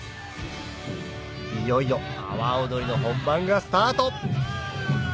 いよいよ阿波おどりの本番がスタート